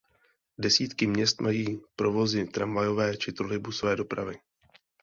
Desítky měst mají provozy tramvajové či trolejbusové dopravy.